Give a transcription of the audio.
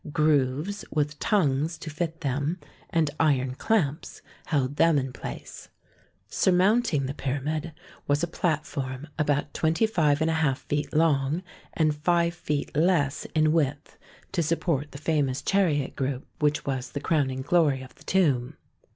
Grooves with tongues to fit them, and iron clamps held them in place. Surmounting the pyramid was a platform about twenty five and a half feet long and five feet less in width, to support the famous chariot group 140 THE SEyEN WONDERS which was the crowning glory of the tomb.